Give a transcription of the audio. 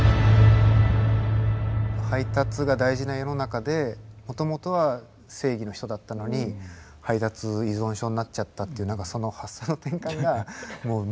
配達が大事な世の中でもともとは正義の人だったのに配達依存症になっちゃったっていう何かその発想の転換がもう小島さんそのものっていうか。